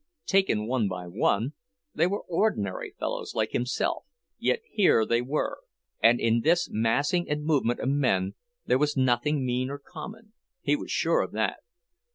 Taken one by one, they were ordinary fellows like himself. Yet here they were. And in this massing and movement of men there was nothing mean or common; he was sure of that.